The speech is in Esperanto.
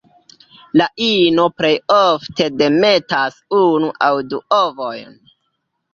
La ino plej ofte demetas unu aŭ du ovojn.